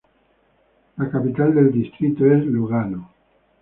La capital del distrito es Lugano.